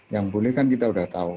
yang boleh kan kita sudah tahu